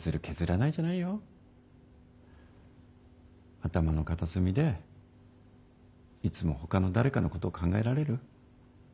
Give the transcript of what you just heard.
頭の片隅でいつもほかの誰かのことを考えられる。